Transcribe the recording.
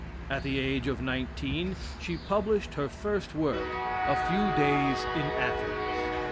At the age of nineteen, she published her first work, "A Few Days in Athens."